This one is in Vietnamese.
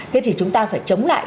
thế thì chúng ta phải chống lại